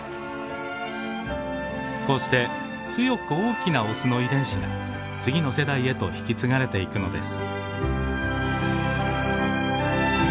こうして強く大きなオスの遺伝子が次の世代へと引き継がれていくのです。